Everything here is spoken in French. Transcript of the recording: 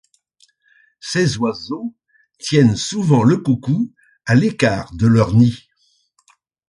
Ces oiseaux tiennent souvent le coucou à l'écart de leur nid.